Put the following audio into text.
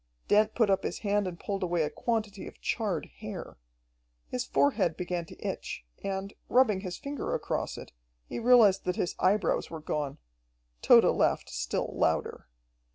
Dent put up his hand and pulled away a quantity of charred hair. His forehead began to itch, and, rubbing his finger across it, he realized that his eyebrows were gone. Tode laughed still louder.